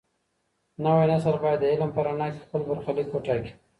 نوی نسل بايد د علم په رڼا کي خپل برخليک وټاکي.